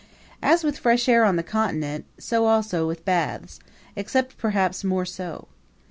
As with fresh air on the Continent, so also with baths except perhaps more so.